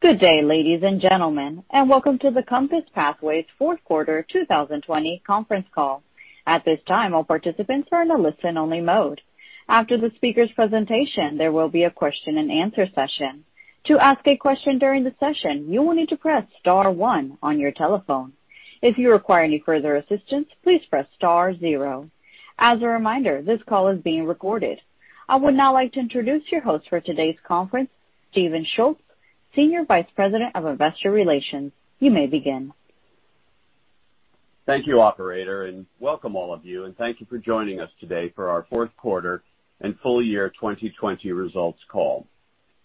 Good day, ladies and gentlemen, and welcome to the COMPASS Pathways fourth quarter 2020 conference call. At this time, all participants are a listen only mode. After the speaker's presentation, there will be a question and answer session. To ask a question during the session, you'll need to press star one on your telephone. If you require any further assistance, please press star zero. As a reminder, this call is being recorded. I would now like to introduce your host for today's conference, Steve Schultz, Senior Vice President of Investor Relations. You may begin. Thank you, operator. Welcome all of you, and thank you for joining us today for our fourth quarter and full year 2020 results call.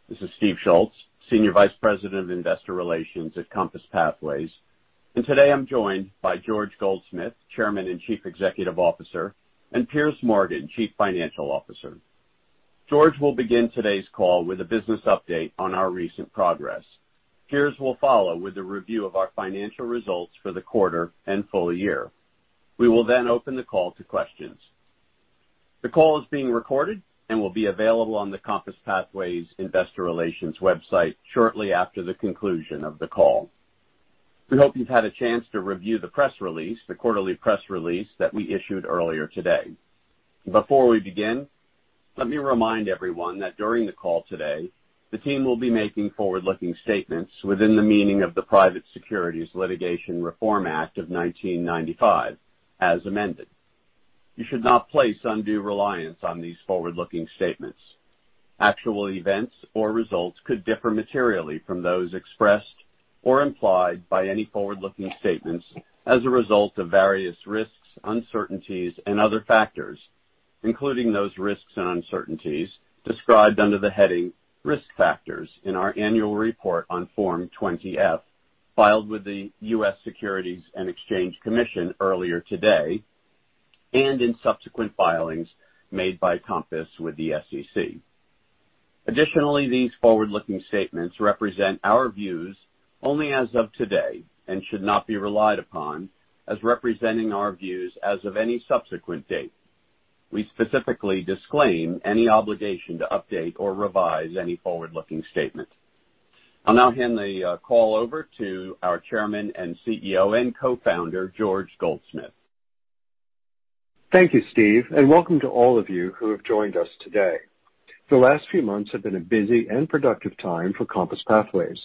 This is Steve Schultz, Senior Vice President of Investor Relations at COMPASS Pathways, and today I'm joined by George Goldsmith, Chairman and Chief Executive Officer, and Piers Morgan, Chief Financial Officer. George will begin today's call with a business update on our recent progress. Piers will follow with a review of our financial results for the quarter and full year. We will open the call to questions. The call is being recorded and will be available on the COMPASS Pathways investor relations website shortly after the conclusion of the call. We hope you've had a chance to review the press release, the quarterly press release that we issued earlier today. Before we begin, let me remind everyone that during the call today, the team will be making forward-looking statements within the meaning of the Private Securities Litigation Reform Act of 1995 as amended. You should not place undue reliance on these forward-looking statements. Actual events or results could differ materially from those expressed or implied by any forward-looking statements as a result of various risks, uncertainties, and other factors, including those risks and uncertainties described under the heading Risk Factors in our annual report on Form 20-F, filed with the U.S. Securities and Exchange Commission earlier today, and in subsequent filings made by COMPASS with the SEC. Additionally, these forward-looking statements represent our views only as of today and should not be relied upon as representing our views as of any subsequent date. We specifically disclaim any obligation to update or revise any forward-looking statement. I'll now hand the call over to our Chairman and CEO and Co-founder, George Goldsmith. Thank you, Steve, and welcome to all of you who have joined us today. The last few months have been a busy and productive time for COMPASS Pathways.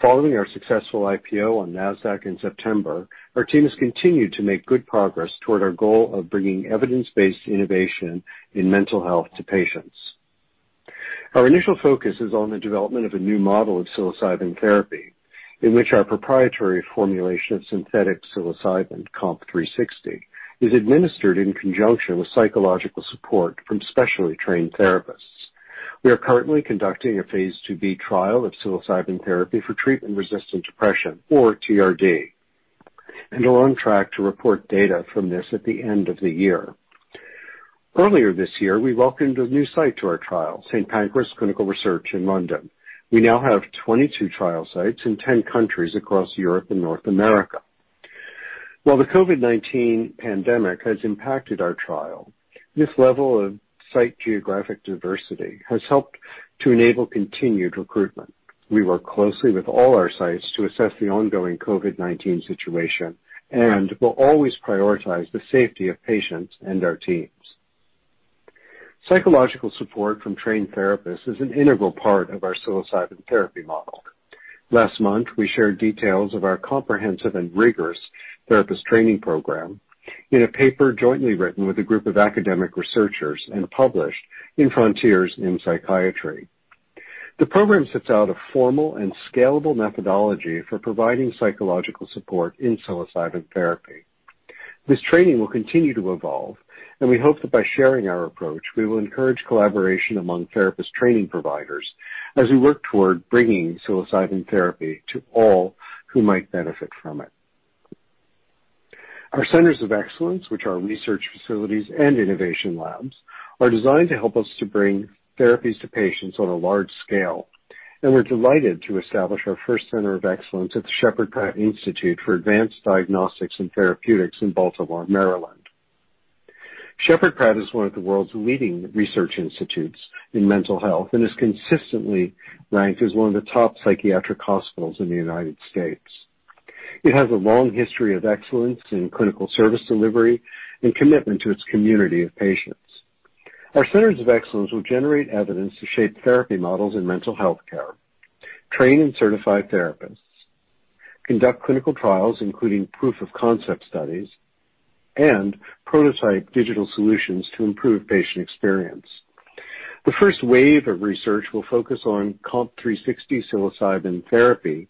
Following our successful IPO on Nasdaq in September, our team has continued to make good progress toward our goal of bringing evidence-based innovation in mental health to patients. Our initial focus is on the development of a new model of psilocybin therapy, in which our proprietary formulation of synthetic psilocybin, COMP360, is administered in conjunction with psychological support from specially trained therapists. We are currently conducting a phase IIB trial of psilocybin therapy for treatment-resistant depression, or TRD, and are on track to report data from this at the end of the year. Earlier this year, we welcomed a new site to our trial, St. Pancras Clinical Research in London. We now have 22 trial sites in 10 countries across Europe and North America. While the COVID-19 pandemic has impacted our trial, this level of site geographic diversity has helped to enable continued recruitment. We work closely with all our sites to assess the ongoing COVID-19 situation and will always prioritize the safety of patients and our teams. Psychological support from trained therapists is an integral part of our psilocybin therapy model. Last month, we shared details of our comprehensive and rigorous therapist training program in a paper jointly written with a group of academic researchers and published in Frontiers in Psychiatry. The program sets out a formal and scalable methodology for providing psychological support in psilocybin therapy. This training will continue to evolve, and we hope that by sharing our approach, we will encourage collaboration among therapist training providers as we work toward bringing psilocybin therapy to all who might benefit from it. Our centers of excellence, which are research facilities and innovation labs, are designed to help us to bring therapies to patients on a large scale, and we're delighted to establish our first center of excellence at the Sheppard Pratt Institute for Advanced Diagnostics and Therapeutics in Baltimore, Maryland. Sheppard Pratt is one of the world's leading research institutes in mental health and is consistently ranked as one of the top psychiatric hospitals in the United States. It has a long history of excellence in clinical service delivery and commitment to its community of patients. Our centers of excellence will generate evidence to shape therapy models in mental health care, train and certify therapists, conduct clinical trials, including proof of concept studies, and prototype digital solutions to improve patient experience. The first wave of research will focus on COMP360 psilocybin therapy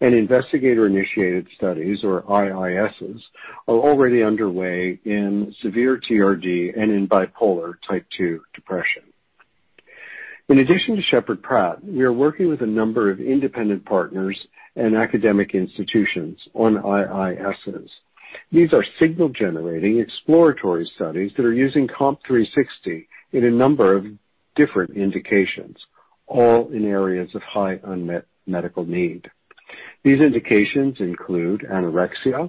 and investigator-initiated studies, or IISs, are already underway in severe TRD and in bipolar type II depression. In addition to Sheppard Pratt, we are working with a number of independent partners and academic institutions on IISs. These are signal generating exploratory studies that are using COMP360 in a number of different indications, all in areas of high unmet medical need. These indications include anorexia,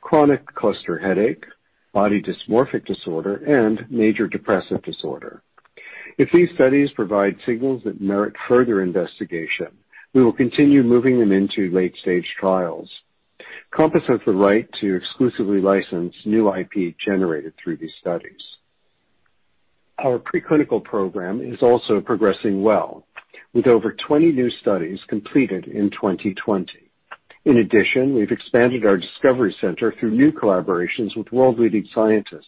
chronic cluster headache, body dysmorphic disorder, and major depressive disorder. If these studies provide signals that merit further investigation, we will continue moving them into late-stage trials. Compass has the right to exclusively license new IP generated through these studies. Our preclinical program is also progressing well with over 20 new studies completed in 2020. In addition, we've expanded our Discovery Center through new collaborations with world-leading scientists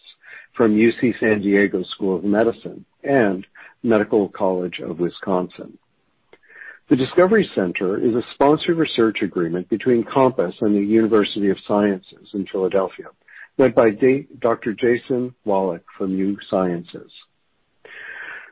from UC San Diego School of Medicine and Medical College of Wisconsin. The Discovery Center is a sponsored research agreement between Compass and the University of the Sciences in Philadelphia, led by Dr. Jason Wallach from University of the Sciences.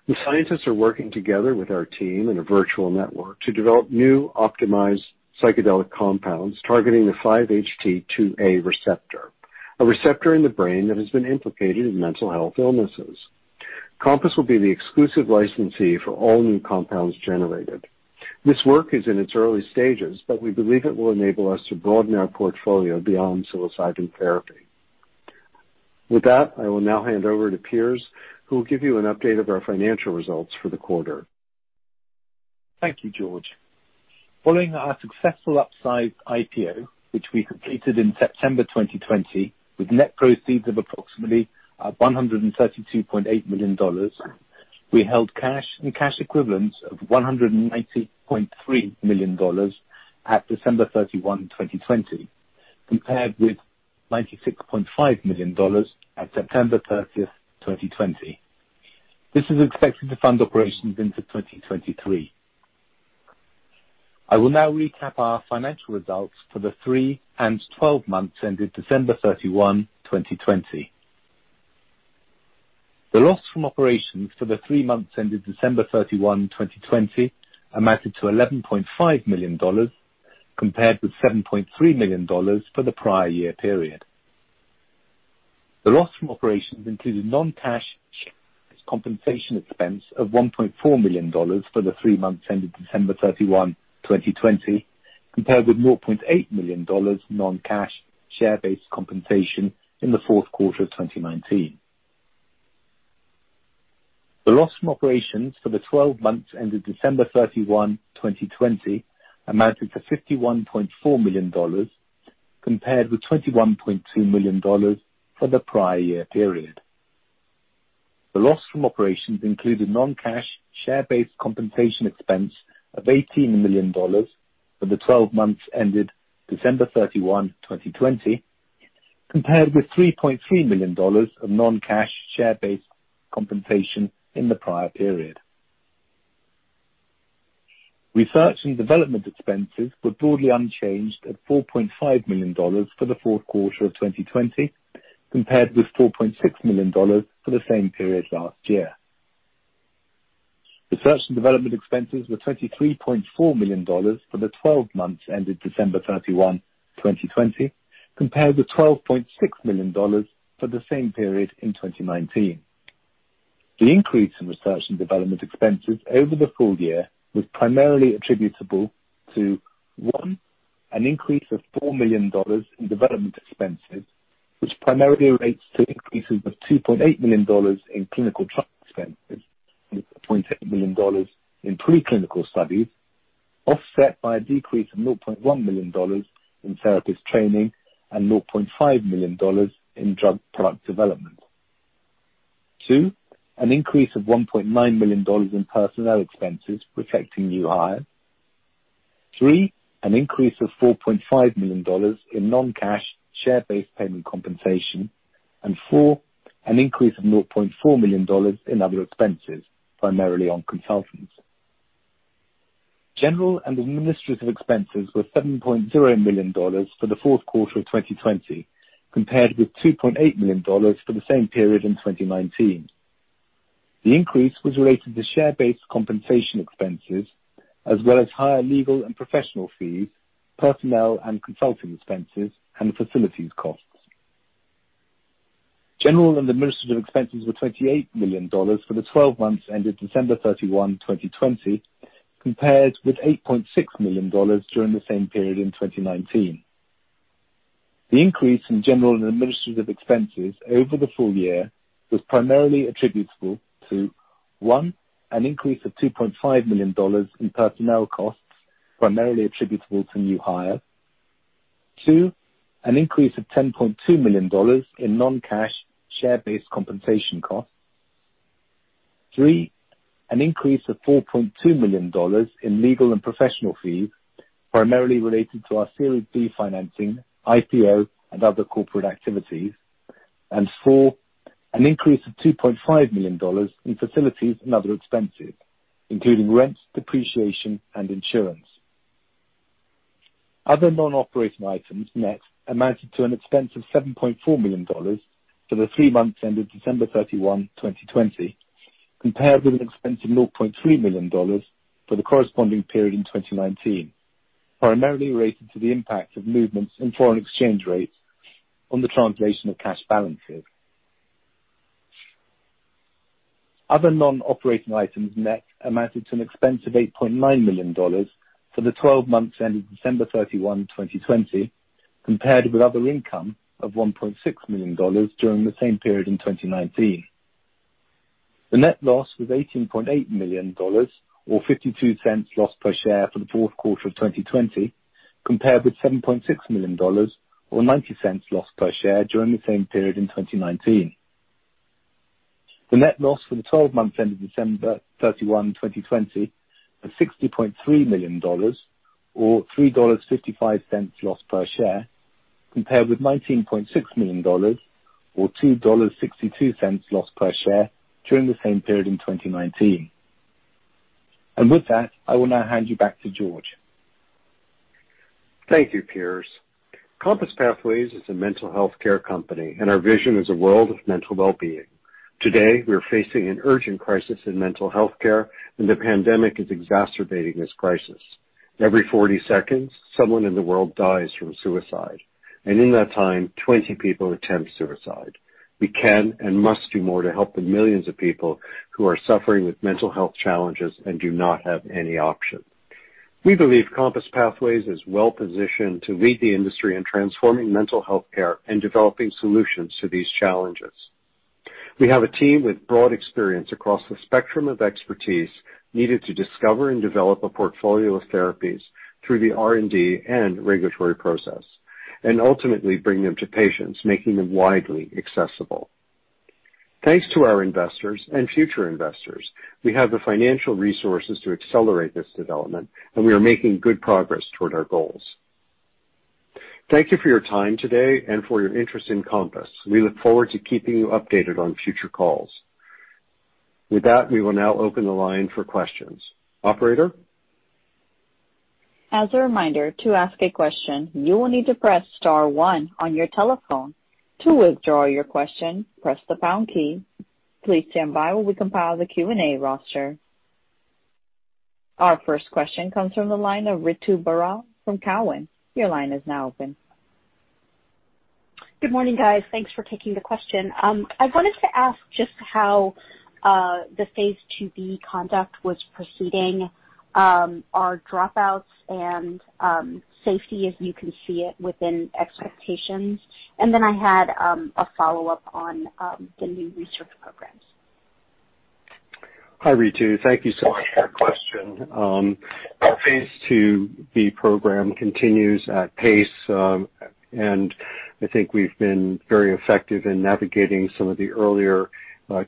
The scientists are working together with our team in a virtual network to develop new optimized psychedelic compounds targeting the 5-HT2A receptor, a receptor in the brain that has been implicated in mental health illnesses. Compass will be the exclusive licensee for all new compounds generated. This work is in its early stages, but we believe it will enable us to broaden our portfolio beyond psilocybin therapy. With that, I will now hand over to Piers, who will give you an update of our financial results for the quarter. Thank you, George. Following our successful upsized IPO, which we completed in September 2020, with net proceeds of approximately $132.8 million, we held cash and cash equivalents of $190.3 million at December 31, 2020, compared with $96.5 million at September 30, 2020. This is expected to fund operations into 2023. I will now recap our financial results for the three and 12 months ended December 31, 2020. The loss from operations for the three months ended December 31, 2020, amounted to $11.5 million, compared with $7.3 million for the prior year period. The loss from operations included non-cash compensation expense of $1.4 million for the three months ended December 31, 2020, compared with $4.8 million non-cash share-based compensation in the fourth quarter of 2019. The loss from operations for the 12 months ended December 31, 2020, amounted to $51.4 million, compared with $21.2 million for the prior year period. The loss from operations included non-cash share-based compensation expense of $18 million for the 12 months ended December 31, 2020, compared with $3.3 million of non-cash share-based compensation in the prior period. Research and development expenses were broadly unchanged at $4.5 million for the fourth quarter of 2020, compared with $4.6 million for the same period last year. Research and development expenses were $23.4 million for the 12 months ended December 31, 2020, compared with $12.6 million for the same period in 2019. The increase in research and development expenses over the full year was primarily attributable to, one, an increase of $4 million in development expenses, which primarily relates to increases of $2.8 million in clinical trial expenses and $2.8 million in pre-clinical studies, offset by a decrease of $0.1 million in therapist training and $0.5 million in drug product development. Two, an increase of $1.9 million in personnel expenses reflecting new hires. Three, an increase of $4.5 million in non-cash share-based payment compensation. Four, an increase of $0.4 million in other expenses, primarily on consultants. General and administrative expenses were $7.7 million for the fourth quarter of 2020, compared with $2.8 million for the same period in 2019. The increase was related to share-based compensation expenses as well as higher legal and professional fees, personnel and consulting expenses, and facilities costs. General and administrative expenses were $28 million for the 12 months ended December 31, 2020, compared with $8.6 million during the same period in 2019. The increase in general and administrative expenses over the full year was primarily attributable to, one, an increase of $2.5 million in personnel costs primarily attributable to new hires. Two, an increase of $10.2 million in non-cash share-based compensation costs. Three, an increase of $4.2 million in legal and professional fees, primarily related to our Series B financing, IPO, and other corporate activities. Four, an increase of $2.5 million in facilities and other expenses, including rent, depreciation, and insurance. Other non-operating items net amounted to an expense of $7.4 million for the three months ended December 31, 2020, compared with an expense of $0.3 million for the corresponding period in 2019, primarily related to the impact of movements in foreign exchange rates on the translation of cash balances. Other non-operating items net amounted to an expense of $8.9 million for the 12 months ending December 31, 2020, compared with other income of $1.6 million during the same period in 2019. The net loss was $18.8 million, or $0.52 loss per share for the fourth quarter of 2020, compared with $7.6 million, or $0.90 loss per share during the same period in 2019. The net loss for the 12 months ending December 31, 2020, was $60.3 million, or $3.55 loss per share, compared with $19.6 million, or $2.62 loss per share during the same period in 2019. With that, I will now hand you back to George. Thank you, Piers. COMPASS Pathways is a mental healthcare company, and our vision is a world of mental wellbeing. Today, we are facing an urgent crisis in mental healthcare, and the pandemic is exacerbating this crisis. Every 40 seconds, someone in the world dies from suicide, and in that time, 20 people attempt suicide. We can and must do more to help the millions of people who are suffering with mental health challenges and do not have any option. We believe COMPASS Pathways is well-positioned to lead the industry in transforming mental healthcare and developing solutions to these challenges. We have a team with broad experience across the spectrum of expertise needed to discover and develop a portfolio of therapies through the R&D and regulatory process, and ultimately bring them to patients, making them widely accessible. Thanks to our investors and future investors, we have the financial resources to accelerate this development, and we are making good progress toward our goals. Thank you for your time today and for your interest in COMPASS. We look forward to keeping you updated on future calls. With that, we will now open the line for questions. Operator? As a reminder to ask a question, you'll need to press star one on your telephone. To withdraw your question, press the pound key. Please stand by while we compile the Q&A roster. Our first question comes from the line of Ritu Baral from Cowen. Your line is now open. Good morning, guys. Thanks for taking the question. I wanted to ask just how the phase IIb conduct was proceeding. Are dropouts and safety, as you can see it, within expectations? I had a follow-up on the new research programs. Hi, Ritu. Thank you so much for that question. Our phase IIb program continues at pace, and I think we've been very effective in navigating some of the earlier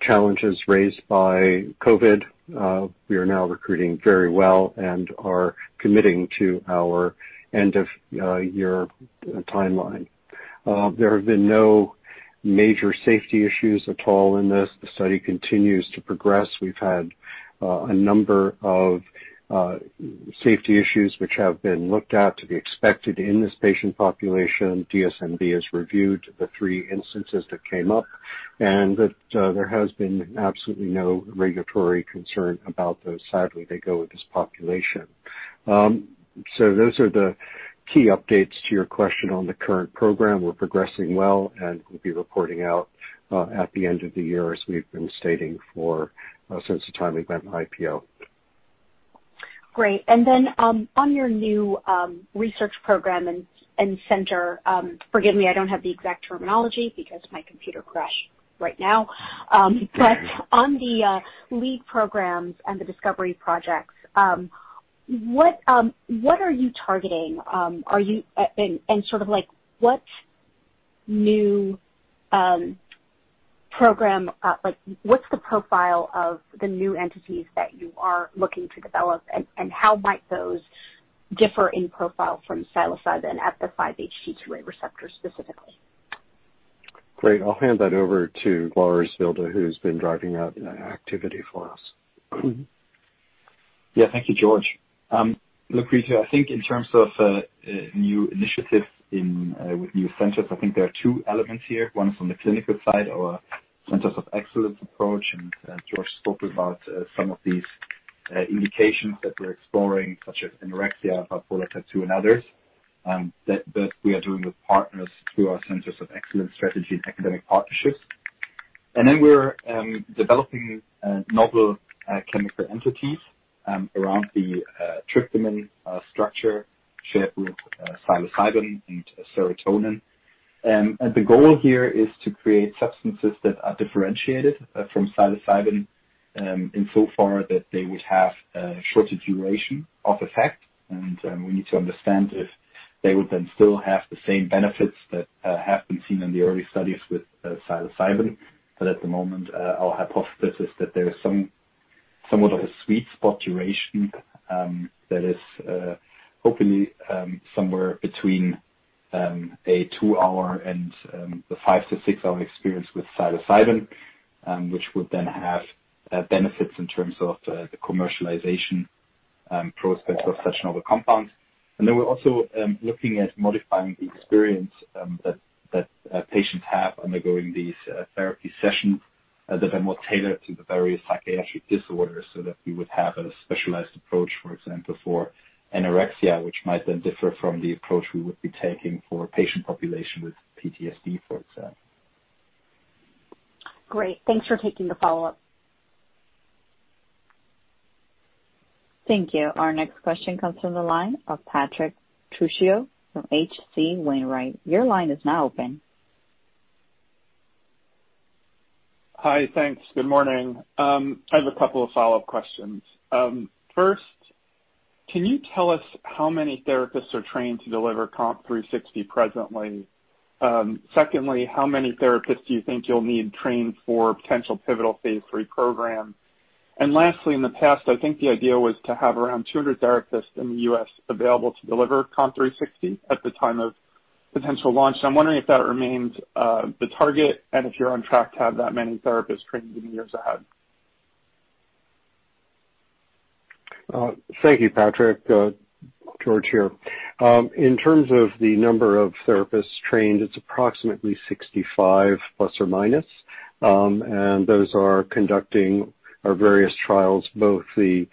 challenges raised by COVID. We are now recruiting very well and are committing to our end-of-year timeline. There have been no major safety issues at all in this. The study continues to progress. We've had a number of safety issues which have been looked at to be expected in this patient population. DSMB has reviewed the three instances that came up, and that there has been absolutely no regulatory concern about those. Sadly, they go with this population. Those are the key updates to your question on the current program. We're progressing well, and we'll be reporting out at the end of the year, as we've been stating since the time we went IPO. Great. On your new research program and center. Forgive me, I don't have the exact terminology because my computer crashed right now. On the lead programs and the discovery projects, what are you targeting? What's the profile of the new entities that you are looking to develop, and how might those differ in profile from psilocybin at the 5-HT2A receptor specifically? Great. I'll hand that over to Lars Wilde, who's been driving that activity for us. Thank you, George. Look, Ritu, I think in terms of new initiatives with new centers, I think there are two elements here. One is on the clinical side, our Centers of Excellence approach, and George spoke about some of these indications that we're exploring, such as anorexia, bipolar II, and others, that we are doing with partners through our Centers of Excellence strategy and academic partnerships. We're developing novel chemical entities around the tryptamine structure shared with psilocybin and serotonin. The goal here is to create substances that are differentiated from psilocybin, in so far that they would have a shorter duration of effect, and we need to understand if they would then still have the same benefits that have been seen in the early studies with psilocybin. At the moment, our hypothesis is that there is somewhat of a sweet spot duration that is hopefully somewhere between a two-hour and the five to six-hour experience with psilocybin, which would then have benefits in terms of the commercialization prospects of such novel compounds. Then we're also looking at modifying the experience that patients have undergoing these therapy sessions that are more tailored to the various psychiatric disorders so that we would have a specialized approach, for example, for anorexia, which might then differ from the approach we would be taking for a patient population with PTSD, for example. Great. Thanks for taking the follow-up. Thank you. Our next question comes from the line of Patrick Trucchio from H.C. Wainwright. Your line is now open. Hi. Thanks. Good morning. I have a couple of follow-up questions. First, can you tell us how many therapists are trained to deliver COMP360 presently? Secondly, how many therapists do you think you'll need trained for potential pivotal phase III program? Lastly, in the past, I think the idea was to have around 200 therapists in the U.S. available to deliver COMP360 at the time of potential launch. I'm wondering if that remains the target and if you're on track to have that many therapists trained in the years ahead. Thank you, Patrick. George here. In terms of the number of therapists trained, it's approximately 65±. Those are conducting our various trials, both the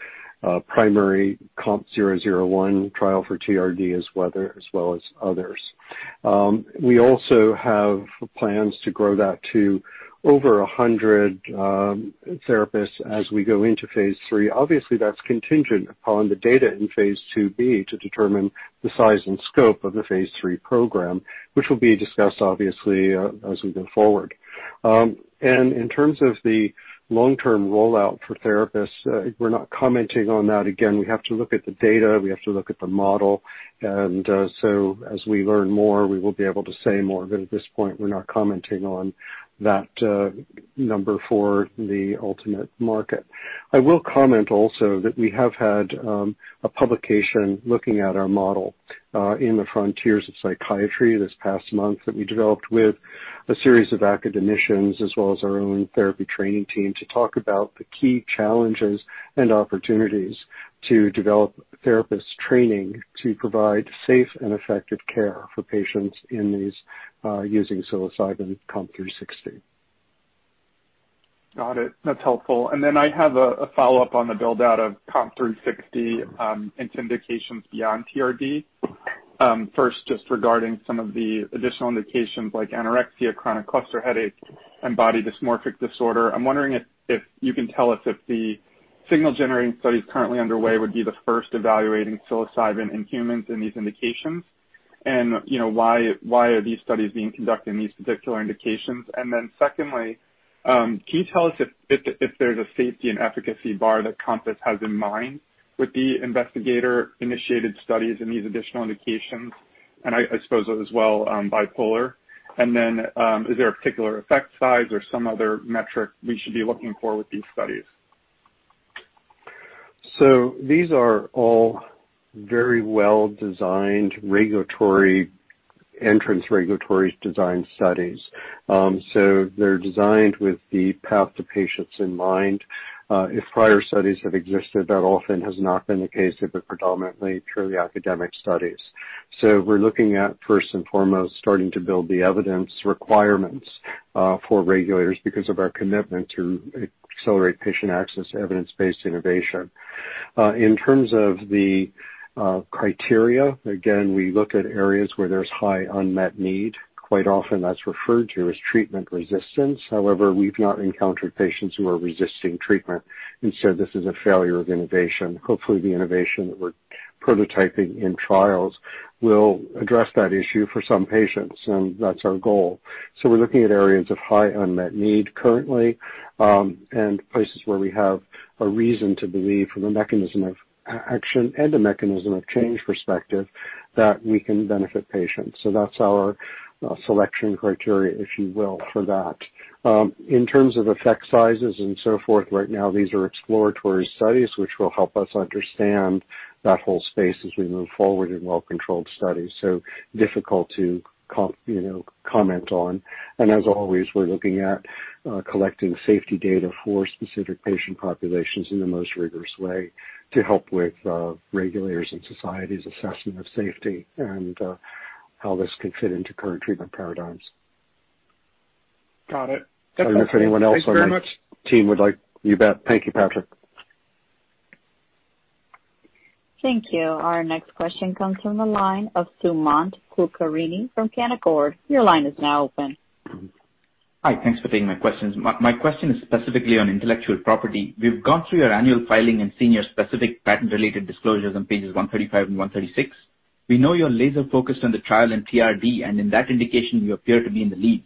primary COMP001 trial for TRD, as well as others. We also have plans to grow that to over 100 therapists as we go into phase III. Obviously, that's contingent upon the data in phase IIB to determine the size and scope of the phase III program, which will be discussed, obviously, as we go forward. In terms of the long-term rollout for therapists, we're not commenting on that. Again, we have to look at the data. We have to look at the model. As we learn more, we will be able to say more. At this point, we're not commenting on that number for the ultimate market. I will comment also that we have had a publication looking at our model, in the Frontiers in Psychiatry this past month, that we developed with a series of academicians as well as our own therapy training team to talk about the key challenges and opportunities to develop therapists' training to provide safe and effective care for patients in these using psilocybin COMP360. Got it. That's helpful. I have a follow-up on the build-out of COMP360, in indications beyond TRD. Just regarding some of the additional indications like anorexia, chronic cluster headaches, and body dysmorphic disorder. I'm wondering if you can tell us if the signal generating studies currently underway would be the first evaluating psilocybin in humans in these indications, and why are these studies being conducted in these particular indications? Secondly, can you tell us if there's a safety and efficacy bar that COMPASS has in mind with the Investigator-Initiated Studies in these additional indications, and I suppose as well, bipolar? Is there a particular effect size or some other metric we should be looking for with these studies? These are all very well-designed regulatory entrance regulatory design studies. They're designed with the path to patients in mind. If prior studies have existed, that often has not been the case if they're predominantly purely academic studies. We're looking at first and foremost starting to build the evidence requirements for regulators because of our commitment to accelerate patient access to evidence-based innovation. In terms of the criteria, again, we look at areas where there's high unmet need. Quite often that's referred to as treatment resistance. However, we've not encountered patients who are resisting treatment, and so this is a failure of innovation. Hopefully, the innovation that we're prototyping in trials will address that issue for some patients, and that's our goal. We're looking at areas of high unmet need currently, and places where we have a reason to believe from a mechanism of action and a mechanism of change perspective that we can benefit patients. That's our selection criteria, if you will, for that. In terms of effect sizes and so forth, right now, these are exploratory studies which will help us understand that whole space as we move forward in well-controlled studies, so difficult to comment on. As always, we're looking at collecting safety data for specific patient populations in the most rigorous way to help with regulators and societies' assessment of safety and how this can fit into current treatment paradigms. Got it. That's helpful. I don't know if anyone else on my- Thank you very much. You bet. Thank you, Patrick. Thank you. Our next question comes from the line of Sumant Kulkarni from Canaccord. Your line is now open. Hi. Thanks for taking my questions. My question is specifically on intellectual property. We've gone through your annual filing and seen your specific patent-related disclosures on pages 135 and 136. We know you're laser-focused on the trial in TRD, and in that indication, you appear to be in the lead.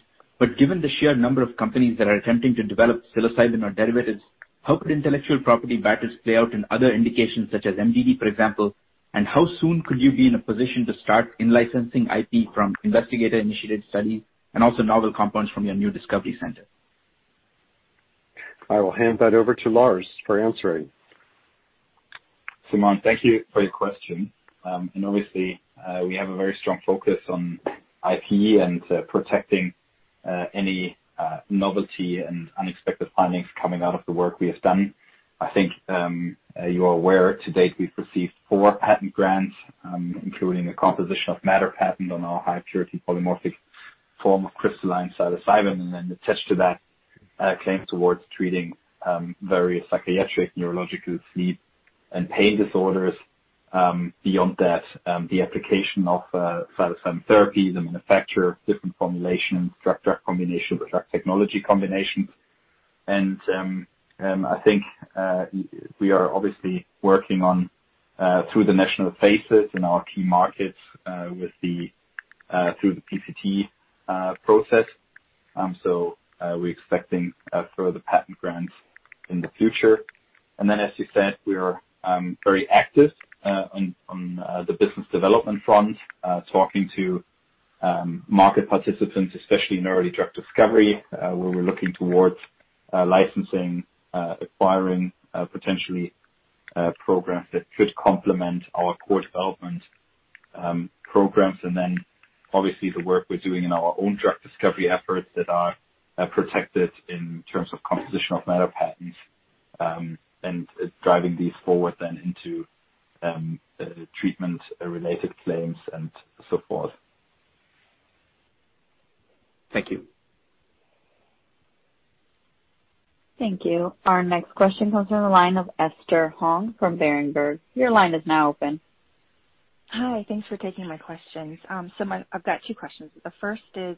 Given the sheer number of companies that are attempting to develop psilocybin or derivatives, how could intellectual property battles play out in other indications such as MDD, for example? How soon could you be in a position to start in-licensing IP from Investigator-Initiated Studies and also novel compounds from your new Discovery Center? I will hand that over to Lars for answering. Sumant, thank you for your question. Obviously, we have a very strong focus on IP and protecting any novelty and unexpected findings coming out of the work we have done. I think you are aware, to date, we've received four patent grants including a composition of matter patent on our high purity polymorphic form of crystalline psilocybin, and then attached to that, a claim towards treating various psychiatric, neurological, sleep, and pain disorders. Beyond that, the application of psilocybin therapy, the manufacture of different formulations, drug combination with drug technology combinations. I think we are obviously working on through the national phases in our key markets through the PCT process. We're expecting further patent grants in the future. As you said, we are very active on the business development front talking to market participants, especially in early drug discovery where we're looking towards licensing, acquiring potentially programs that could complement our core development programs. Obviously the work we're doing in our own drug discovery efforts that are protected in terms of composition of matter patents, and driving these forward then into treatment related claims and so forth. Thank you. Thank you. Our next question comes from the line of Esther Hong from Berenberg. Your line is now open. Hi. Thanks for taking my questions. I've got two questions. The first is,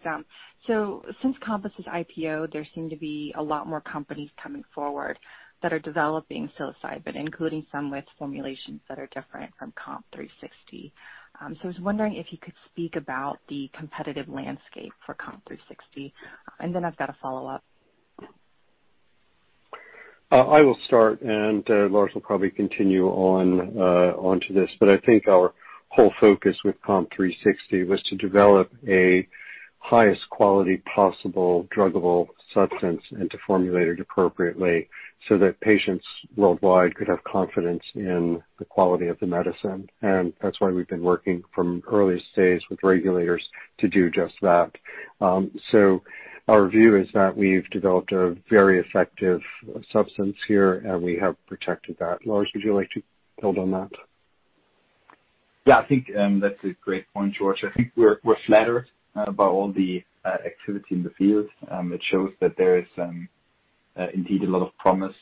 since COMPASS's IPO, there seem to be a lot more companies coming forward that are developing psilocybin, including some with formulations that are different from COMP360. I was wondering if you could speak about the competitive landscape for COMP360. I've got a follow-up. I will start and Lars will probably continue on to this. I think our whole focus with COMP360 was to develop a highest quality possible druggable substance and to formulate it appropriately so that patients worldwide could have confidence in the quality of the medicine. That's why we've been working from early stage with regulators to do just that. Our view is that we've developed a very effective substance here, and we have protected that. Lars, would you like to build on that? Yeah, I think that's a great point, George. I think we're flattered about all the activity in the field. It shows that there is indeed a lot of promise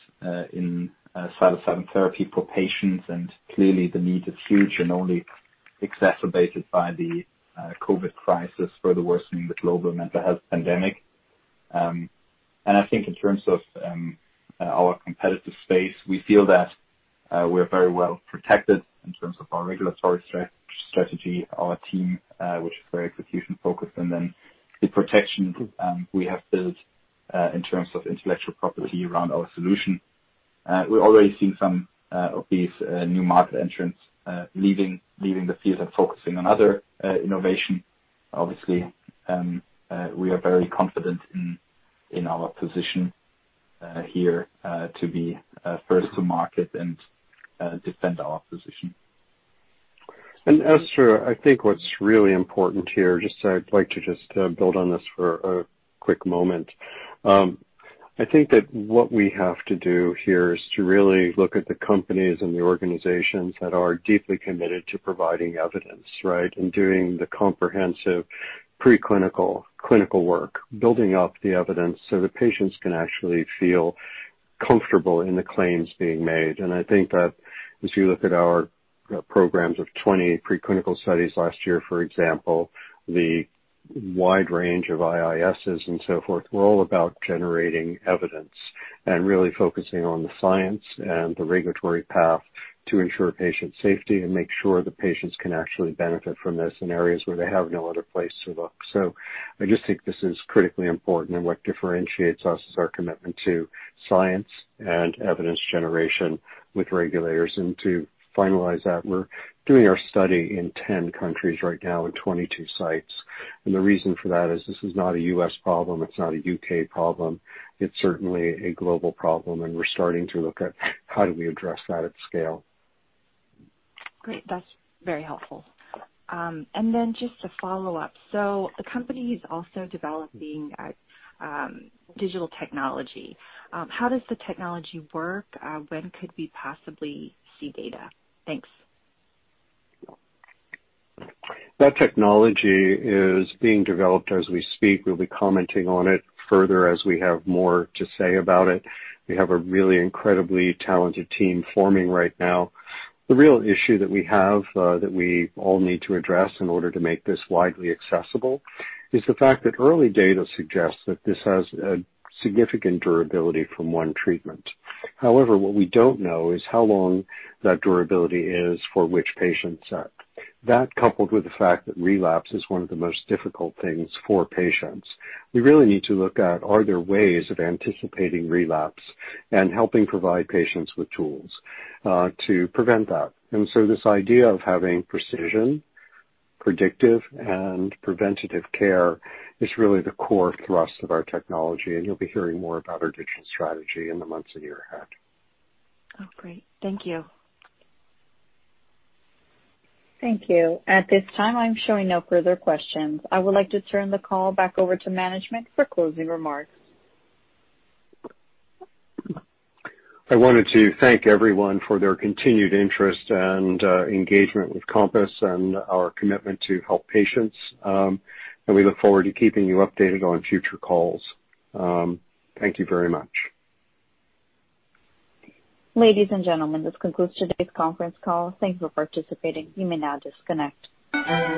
in psilocybin therapy for patients, and clearly the need is huge and only exacerbated by the COVID crisis further worsening the global mental health pandemic. I think in terms of our competitive space, we feel that we're very well protected in terms of our regulatory strategy, our team which is very execution focused, and then the protection we have built in terms of intellectual property around our solution. We're already seeing some of these new market entrants leaving the field and focusing on other innovation. Obviously, we are very confident in our position here to be first to market and defend our position. Esther, I think what's really important here, I'd like to just build on this for a quick moment. I think that what we have to do here is to really look at the companies and the organizations that are deeply committed to providing evidence, right? Doing the comprehensive preclinical clinical work. Building up the evidence so that patients can actually feel comfortable in the claims being made. I think that as you look at our programs of 20 preclinical studies last year, for example, the wide range of IISs and so forth, we're all about generating evidence and really focusing on the science and the regulatory path to ensure patient safety and make sure the patients can actually benefit from this in areas where they have no other place to look. I just think this is critically important, and what differentiates us is our commitment to science and evidence generation with regulators. To finalize that, we're doing our study in 10 countries right now in 22 sites. The reason for that is this is not a U.S. problem. It's not a U.K. problem. It's certainly a global problem. We're starting to look at how do we address that at scale. Great. That's very helpful. Just a follow-up. The company is also developing digital technology. How does the technology work? When could we possibly see data? Thanks. That technology is being developed as we speak. We'll be commenting on it further as we have more to say about it. We have a really incredibly talented team forming right now. The real issue that we have that we all need to address in order to make this widely accessible is the fact that early data suggests that this has a significant durability from one treatment. What we don't know is how long that durability is for which patients. That coupled with the fact that relapse is one of the most difficult things for patients. We really need to look at are there ways of anticipating relapse and helping provide patients with tools to prevent that. This idea of having precision, predictive, and preventative care is really the core thrust of our technology, and you'll be hearing more about our digital strategy in the months and year ahead. Oh, great. Thank you. Thank you. At this time, I am showing no further questions. I would like to turn the call back over to management for closing remarks. I wanted to thank everyone for their continued interest and engagement with Compass and our commitment to help patients. We look forward to keeping you updated on future calls. Thank you very much. Ladies and gentlemen, this concludes today's conference call. Thank you for participating. You may now disconnect.